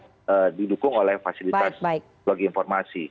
karena didukung oleh fasilitas blog informasi